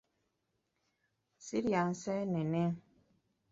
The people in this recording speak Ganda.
Sirya nseenene.